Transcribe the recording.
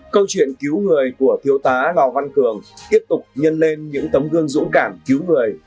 câu chuyện cứu người của thiếu tá lò văn cường tiếp tục nhân lên những tấm gương dũng cảm cứu người